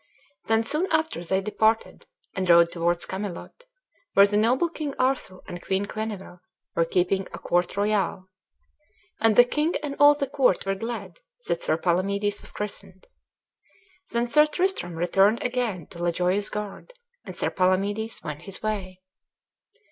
Then soon after they departed, and rode towards Camelot, where the noble King Arthur and Queen Guenever were keeping a court royal. And the king and all the court were glad that Sir Palamedes was christened. Then Sir Tristram returned again to La Joyeuse Garde, and Sir Palamedes went his way.